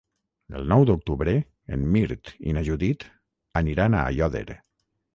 El nou d'octubre en Mirt i na Judit aniran a Aiòder.